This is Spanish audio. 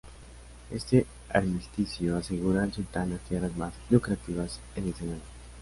Este armisticio aseguro al sultán las tierras más lucrativas en el señorío.